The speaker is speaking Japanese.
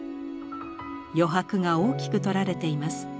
余白が大きく取られています。